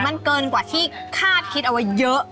มันเกินกว่าที่คาดคิดเอาไว้เยอะ